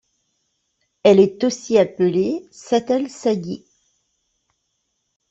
Elle est aussi appelée Çatal Çayı.